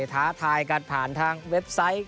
ท้าทายกันผ่านทางเว็บไซต์